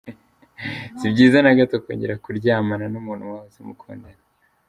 Si byiza na gato kongera kuryamana n’umuntu mwahoze mukundana.